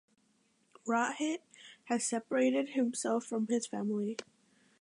Rohit has separated himself from his family.